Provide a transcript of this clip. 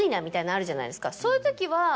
みたいなのあるじゃないですかそういうときは。